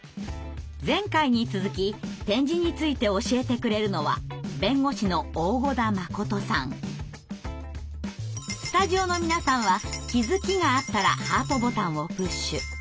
前回に続き点字について教えてくれるのはスタジオの皆さんは気づきがあったらハートボタンをプッシュ。